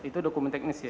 itu dokumen teknis ya